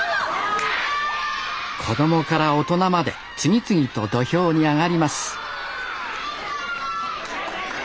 子供から大人まで次々と土俵に上がります